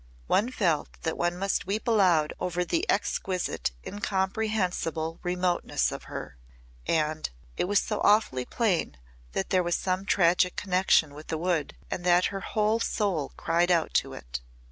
One felt that one must weep aloud over the exquisite incomprehensible remoteness of her. And it was so awfully plain that there was some tragic connection with the Wood and that her whole soul cried out to it.